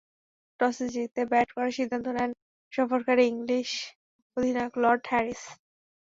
টসে জিতে ব্যাট করার সিদ্ধান্ত নেন সফরকারী ইংলিশ অধিনায়ক লর্ড হ্যারিস।